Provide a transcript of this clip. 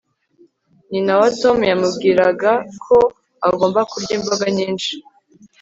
nyina wa tom yamubwiraga ko agomba kurya imboga nyinshi